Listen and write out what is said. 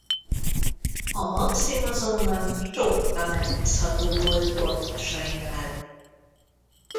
A Maxim azonban sokkal megbízhatóbb volt kortársainál.